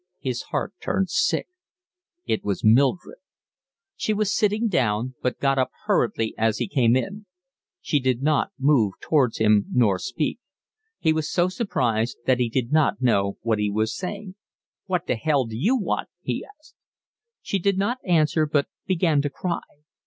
His heart turned sick. It was Mildred. She was sitting down, but got up hurriedly as he came in. She did not move towards him nor speak. He was so surprised that he did not know what he was saying. "What the hell d'you want?" he asked. She did not answer, but began to cry.